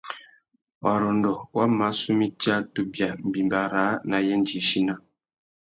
Warrôndô wa mà su mitsa tu bia mbîmbà râā nà yêndzichina.